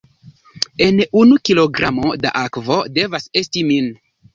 En unu kilogramo da akvo, devas esti min.